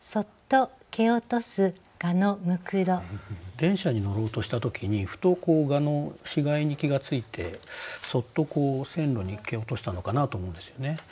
電車に乗ろうとした時にふと蛾の死骸に気が付いてそっと線路に蹴落としたのかなと思うんですよね。